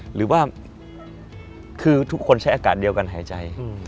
หรือว่าคือทุกคนใช้อากาศเดียวกันหายใจ